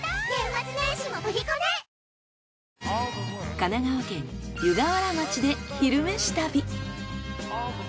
神奈川県湯河原町で「昼めし旅」。